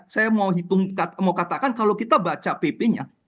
saya mau katakan kalau kita baca pp nya